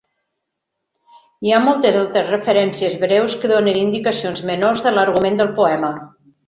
Hi ha moltes altres referències breus que donen indicacions menors de l'argument del poema.